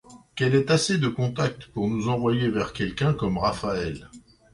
Qu'elle ait assez de contacts pour nous envoyer vers quelqu'une comme Raphaëlle.